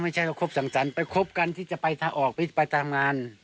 ไม่ใช่ว่าคบสั่งสรรค์ไปคบกันที่จะไปทางออกไปตามงาน